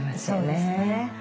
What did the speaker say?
そうですね。